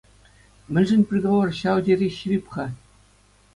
Мӗншӗн приговор ҫав тери ҫирӗп-ха?